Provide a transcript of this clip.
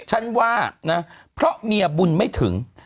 ฉันว่านะเพราะเมียบุญไม่ถึง